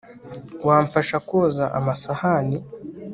wamfasha koza amasahani